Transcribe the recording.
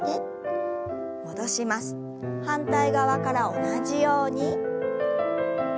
反対側から同じように。